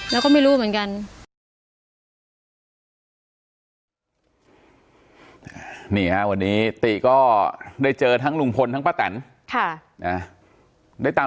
แล้วก็ไม่รู้ว่าเปลี่ยนมาตอนไหนนะ